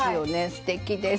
すてきです。